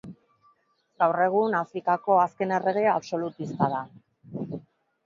Gaur egun, Afrikako azken errege absolutista da.